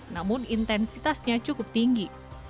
namun intensitasnya cukup tinggi